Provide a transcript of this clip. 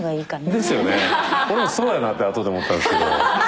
ですよね俺もそうやなって後で思ったんですけど。